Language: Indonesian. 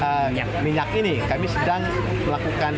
kegiatan penyaluran minyak ini kami sedang melakukan